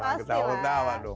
jangan ketawa tawa tuh